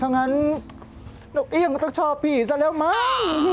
ถ้างั้นนกเอี่ยงก็ต้องชอบพี่ซะแล้วมั้ง